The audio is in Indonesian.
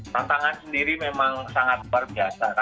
tantangan sendiri memang sangat luar biasa